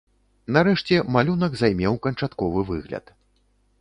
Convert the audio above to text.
Нарэшце малюнак займеў канчатковы выгляд.